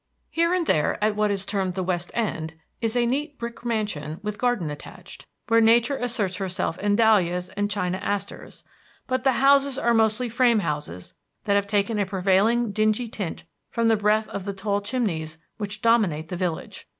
Here and there at what is termed the West End is a neat brick mansion with garden attached, where nature asserts herself in dahlias and china asters; but the houses are mostly frame houses that have taken a prevailing dingy tint from the breath of the tall chimneys which dominate the village.